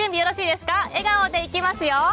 笑顔でいきますよ。